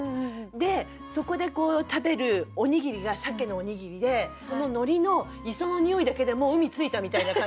でそこで食べるおにぎりが鮭のおにぎりでその海苔の磯のにおいだけでも海着いたみたいな感じで。